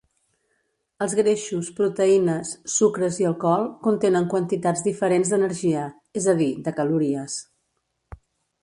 Els greixos, proteïnes, sucres i alcohol contenen quantitats diferents d'energia, és a dir, de calories.